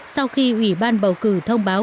sau khi ủy ban bầu cử thông báo